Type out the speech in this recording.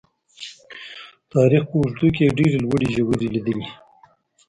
تاریخ په اوږدو کې یې ډېرې لوړې ژورې لیدلي.